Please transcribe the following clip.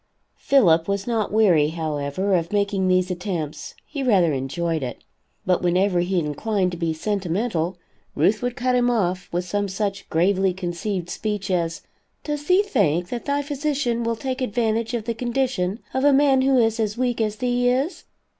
Philip was not weary, however, of making these attempts, he rather enjoyed it. But whenever he inclined to be sentimental, Ruth would cut him off, with some such gravely conceived speech as, "Does thee think that thy physician will take advantage of the condition of a man who is as weak as thee is?